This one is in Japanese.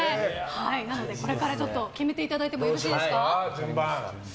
なので、これから決めていただいてもよろしいですか。